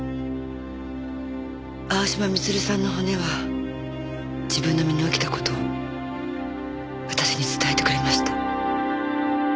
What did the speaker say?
青嶋光留さんの骨は自分の身に起きた事を私に伝えてくれました。